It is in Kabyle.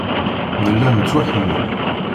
Nella nettwaḥemmel.